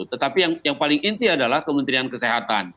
tetapi yang paling inti adalah kementerian kesehatan